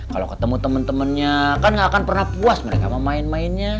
kalau ketemu temen temennya kan gak akan pernah puas mereka main mainnya